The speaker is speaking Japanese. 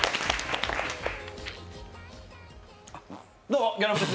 どうもギャロップです。